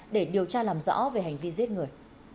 để điều tra làm rõ về hành vi giết người